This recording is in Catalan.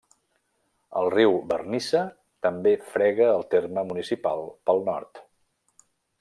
El riu Vernissa també frega el terme municipal pel nord.